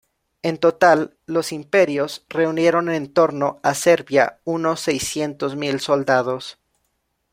En total, los imperios reunieron en torno a serbia unos seiscientos mil soldados.